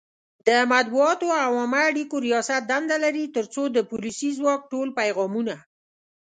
د مطبوعاتو او عامه اړیکو ریاست دنده لري ترڅو د پولیسي ځواک ټول پیغامونه